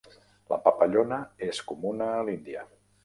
La papallona és comuna a l'Índia.